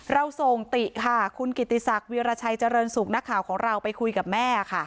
เราส่งติค่ะคุณกิติศักดิราชัยเจริญสุขนักข่าวของเราไปคุยกับแม่ค่ะ